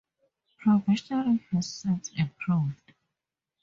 Provision has since improved.